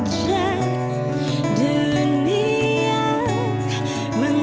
pak ini pak